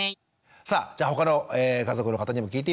さあじゃあ他の家族の方にも聞いてみましょう。